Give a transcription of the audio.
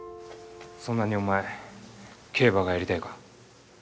そんなにお前競馬がやりたいか。